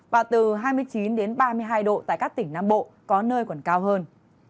và từ hai mươi chín ba mươi hai độ tại các tỉnh nam bộ có nơi còn cao hơn